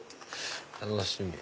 楽しみ！